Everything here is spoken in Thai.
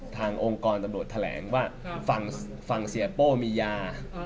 องค์กรตำรวจแถลงว่าฝั่งเสียโป้มียา